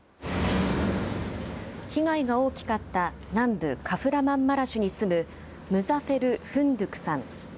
被害が大きかった南部カフラマンマラシュに住むムザフェル・フンドゥクさん。